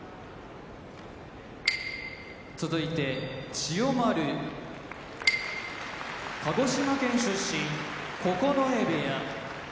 千代丸鹿児島県出身九重部屋